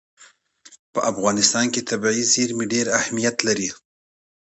په افغانستان کې طبیعي زیرمې ډېر اهمیت لري.